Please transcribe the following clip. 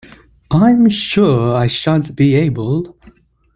I’m sure I shan’t be able!